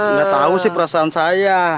nggak tahu sih perasaan saya